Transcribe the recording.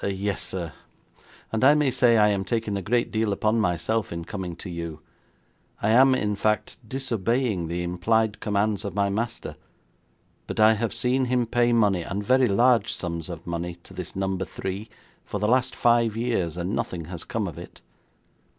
'Yes, sir, and I may say I am taking a great deal upon myself in coming to you. I am, in fact, disobeying the implied commands of my master, but I have seen him pay money, and very large sums of money, to this Number Three for the last five years and nothing has come of it.